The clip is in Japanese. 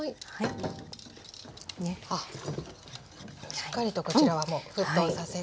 しっかりとこちらはもう沸騰させて。